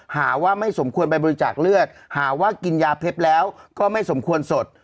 หาว่าไม่สมควรไปบริจาคเลือดหาว่ากินยาเพชรแล้วก็ไม่สมควรสด